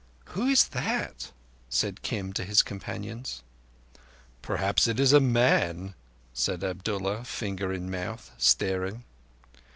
"Who is that?" said Kim to his companions. "Perhaps it is a man," said Abdullah, finger in mouth, staring.